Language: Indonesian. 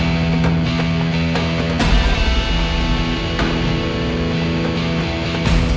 kau udah ngerti